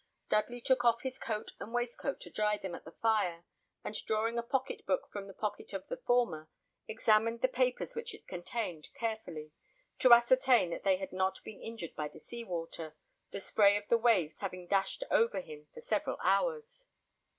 Dudley took off his coat and waistcoat to dry them at the fire, and drawing a pocket book from the pocket of the former, examined the papers which it contained carefully, to ascertain that they had not been injured by the sea water, the spray of the waves having dashed over him for several hours.